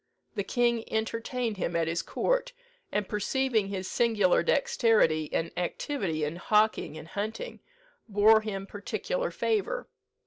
The king entertained him at his court; and perceiving his singular dexterity and activity in hawking and hunting, bore him particular favour.